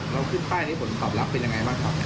แล้วขึ้นป้ายให้ผลตอบหลักเป็นอย่างไรบ้างครับ